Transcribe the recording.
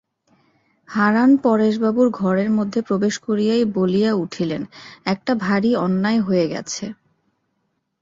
হারান পরেশবাবুর ঘরের মধ্যে প্রবেশ করিয়াই বলিয়া উঠিলেন, একটা ভারি অন্যায় হয়ে গেছে।